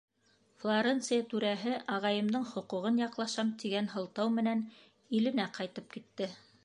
Флоренция түрәһе, ағайымдың хоҡуғын яҡлашам, тигән һылтау менән иленә ҡайтып китте.